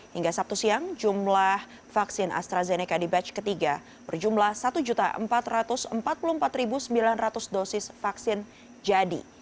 hingga sabtu siang jumlah vaksin astrazeneca di batch ketiga berjumlah satu empat ratus empat puluh empat sembilan ratus dosis vaksin jadi